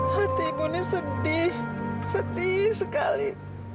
hati ibu ini sedih sedih sekali